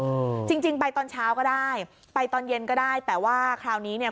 อืมจริงจริงไปตอนเช้าก็ได้ไปตอนเย็นก็ได้แต่ว่าคราวนี้เนี้ย